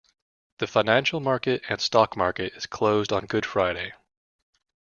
The financial market and stock market is closed on Good Friday.